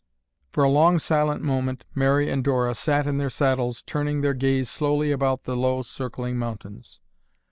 For a long silent moment Mary and Dora sat in their saddles turning their gaze slowly about the low circling mountains.